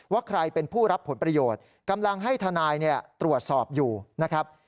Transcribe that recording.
ว่าใครเป็นผู้รับผลประโยชน์กำลังให้ทนายตรวจสอบอยู่นะครับ